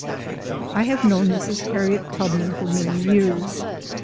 I have known Mrs. Harriet Tubman for many years.